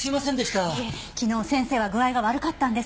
いえ昨日先生は具合が悪かったんですから。